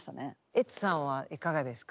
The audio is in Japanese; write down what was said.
ＥＴＳＵさんはいかがですか？